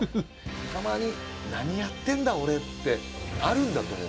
たまに「何やってんだ俺」ってあるんだと思う